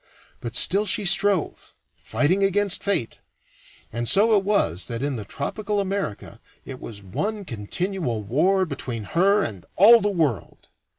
But still she strove, fighting against fate, and so it was that in the tropical America it was one continual war between her and all the world.